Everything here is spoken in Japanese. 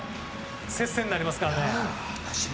接戦になりますからね。